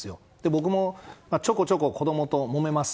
僕もちょこちょこ子供ともめます。